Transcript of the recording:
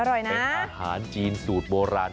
เป็นอาหารจีนสูตรโบราณ